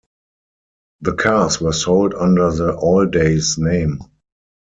The cars were sold under the Alldays name.